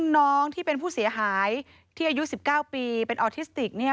น้องที่เป็นผู้เสียหายที่อายุ๑๙ปีเป็นออทิสติกเนี่ย